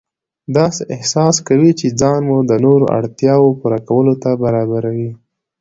داسې احساس کوئ چې ځان مو د نورو اړتیاوو پوره کولو ته برابروئ.